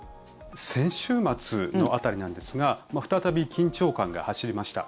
先週末の辺りなんですが再び緊張感が走りました。